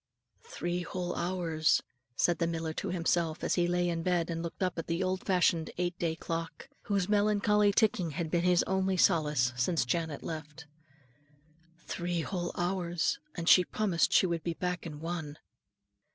"Three whole hours," said the miller to himself as he lay in bed and looked up at the old fashioned eight day clock, whose melancholy ticking had been his only solace since Janet left, "three whole hours, and she promised she would be back in one."